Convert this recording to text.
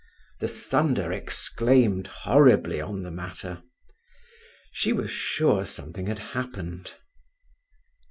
The thunder exclaimed horribly on the matter. She was sure something had happened.